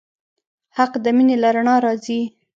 حق د مینې له رڼا راځي.